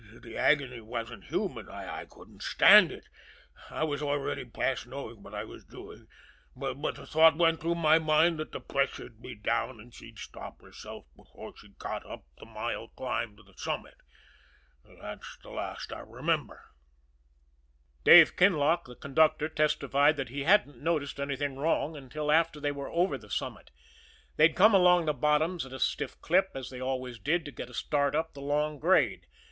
The agony wasn't human I couldn't stand it. I was already past knowing what I was doing; but the thought went through my mind that the pressure'd be down, and she'd stop herself before she got up the mile climb to the summit. That's the last I remember." Dave Kinlock, the conductor, testified that he hadn't noticed anything wrong until after they were over the summit they'd come along the bottoms at a stiff clip, as they always did, to get a start up the long grade.